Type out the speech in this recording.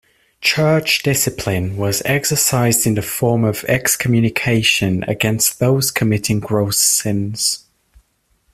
Church discipline was exercised in the form of excommunication against those committing gross sins.